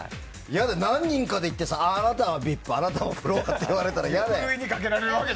何人かで行ってあなたはＶＩＰあなたはフロアって言われたら嫌じゃん。